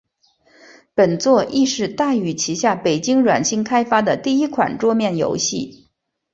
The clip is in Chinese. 本作亦是大宇旗下北京软星开发的第一款桌面游戏。